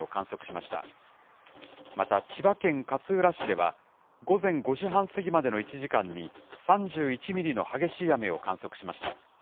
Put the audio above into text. また千葉県勝浦市では、午前５時半過ぎまでの１時間に３１ミリの激しい雨を観測しました。